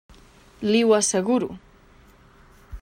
Li ho asseguro.